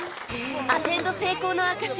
アテンド成功の証し